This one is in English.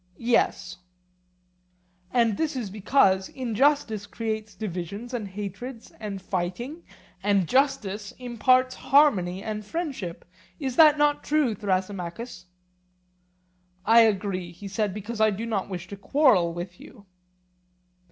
Yes. And this is because injustice creates divisions and hatreds and fighting, and justice imparts harmony and friendship; is not that true, Thrasymachus? I agree, he said, because I do not wish to quarrel with you.